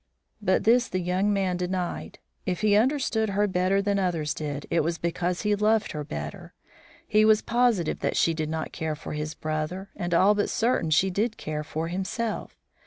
But this the young man denied. If he understood her better than others did, it was because he loved her better. He was positive that she did not care for his brother, and all but certain she did care for himself.